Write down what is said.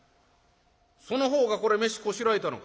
その方がこれ飯こしらえたのか？」。